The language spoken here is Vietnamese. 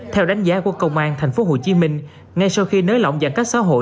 theo đánh giá của công an thành phố hồ chí minh ngay sau khi nới lỏng giãn cách xã hội